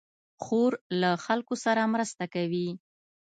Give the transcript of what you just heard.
خور له خلکو سره مرسته کوي.